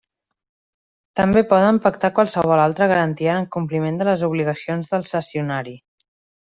També poden pactar qualsevol altra garantia en compliment de les obligacions del cessionari.